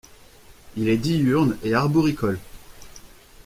Il est diurne et arboricole.